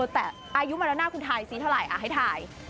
แต่อายุมาดอนน่าคุณถ่ายสีเท่าไหร่อ่ะให้ถ่าย